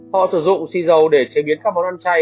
họ sử dụng xì dầu để chế biến các món ăn chay